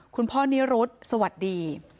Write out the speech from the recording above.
คุณพ่อนิรุธสวัสดี